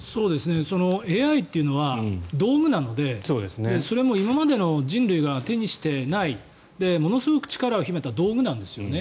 ＡＩっていうのは道具なのでそれも今までの人類が手にしていないものすごく力を秘めた道具なんですよね。